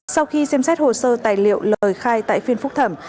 sau khi xem xét hồ sơ tài liệu lời khai tại phiên phúc thẩm